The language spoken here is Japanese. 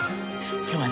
今日はね